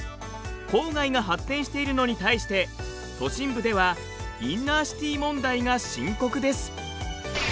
郊外が発展しているのに対して都心部ではインナーシティ問題が深刻です。